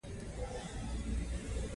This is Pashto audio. دا په ټاکلي وخت کې شخص ته ورکول کیږي.